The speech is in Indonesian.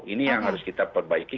ini yang harus kita perbaiki